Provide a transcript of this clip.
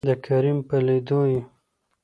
دکريم په لېدولو يې